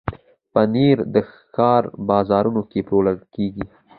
پنېر د ښار بازارونو کې پلورل کېږي.